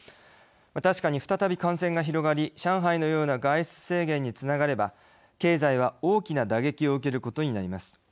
確かに再び感染が広がり上海のような外出制限につながれば経済は大きな打撃を受けることになります。